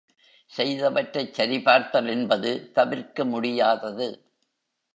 செய்தவற்றைச் சரிபார்த்தல் என்பது தவிர்க்க முடியாதது.